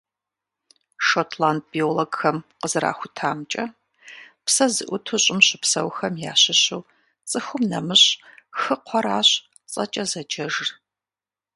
Шотланд биологхэм къызэрахутамкӏэ, псэ зыӏуту Щӏым щыпсэухэм ящыщу цӏыхум нэмыщӏ хыкхъуэращ цӏэкӏэ зэджэжыр.